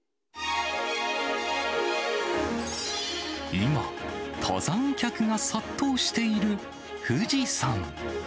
今、登山客が殺到している富士山。